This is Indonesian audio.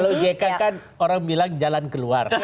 kalau jk kan orang bilang jalan keluar